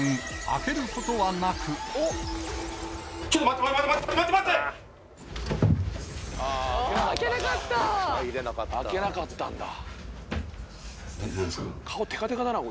開けなかったんだ。